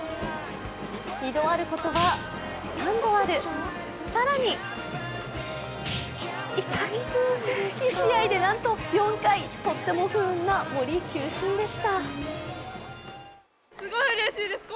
二度あることは三度ある、更に１試合で、なんと４回、とっても不運な森球審でした。